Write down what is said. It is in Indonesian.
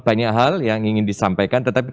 banyak hal yang ingin disampaikan tetapi